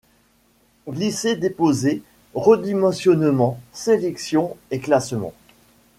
Glisser-déposer, redimensionnement, sélection, et classement.